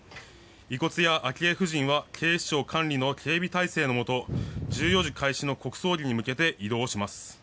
遺骨や昭恵夫人は警視庁管理の警備態勢のもと１４時開始の国葬儀に向けて移動します。